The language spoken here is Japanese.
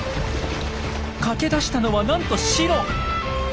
駆け出したのはなんとシロ！